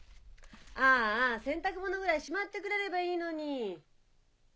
ああ洗濯物ぐらいしまってくれればいいのに。